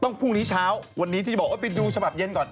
พรุ่งนี้เช้าวันนี้ที่จะบอกว่าไปดูฉบับเย็นก่อน